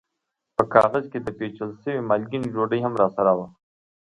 په کاغذ کې د پېچل شوې مالګینې ډوډۍ هم راسره وه.